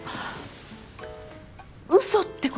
嘘って事？